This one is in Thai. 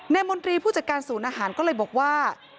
มนตรีผู้จัดการศูนย์อาหารก็เลยบอกว่า